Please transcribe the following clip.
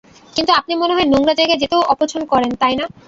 কিন্তু আপনি মনে হয় নোংরা জায়গায় যেতেও অপছন করেন না, তাই না?